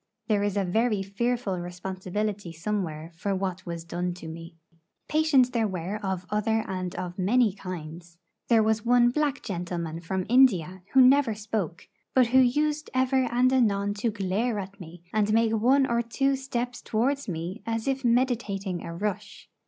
There is a very fearful responsibility somewhere for what was done to me. Patients there were of other and of many kinds. There was one black gentleman from India who never spoke; but who used ever and anon to glare at me, and make one or two steps towards me as if meditating a rush.